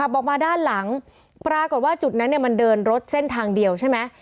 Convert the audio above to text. ออกมาด้านหลังปรากฏว่าจุดนั้นมันเดินรถเส้นทางเดียวใช่ไหม